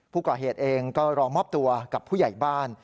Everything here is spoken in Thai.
ผู้ก่อเหตุเองก็รอมอบตัวกับผู้ใหญ่บ้าน